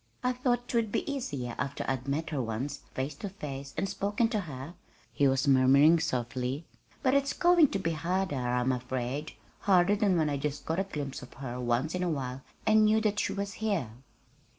"I thought 'twould be easier after I'd met her once, face to face, and spoken to her," he was murmuring softly; "but it's going to be harder, I'm afraid harder than when I just caught a glimpse of her once in a while and knew that she was here."